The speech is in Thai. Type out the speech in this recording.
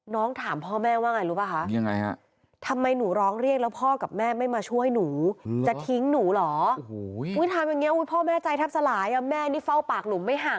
น้องถามพ่อแม่ว่าไงรู้ป่าวคะทำไมหนูร้องเรียกแล้วพ่อกับแม่ไม่มาช่วยหนูจะทิ้งหนูเหรอ